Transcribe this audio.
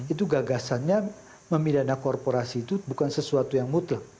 itu gagasannya memidana korporasi itu bukan sesuatu yang mutlak